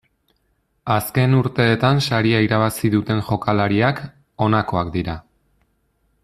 Azken urteetan saria irabazi duten jokalariak, honakoak dira.